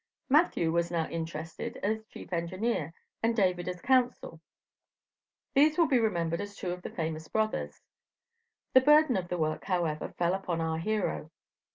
Matthew was now interested as chief engineer, and David as counsel. These will be remembered as two of the famous brothers. The burden of the work, however, fell upon our hero.